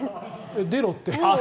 出ろって。